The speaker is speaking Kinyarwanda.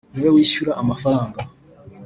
Ni we wishyura amafaranga.